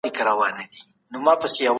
خپل ځان ته پاملرنه وکړئ.